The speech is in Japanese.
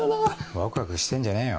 ワクワクしてんじゃねえよ。